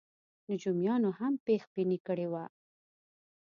نجومیانو هم پېش بیني کړې وه.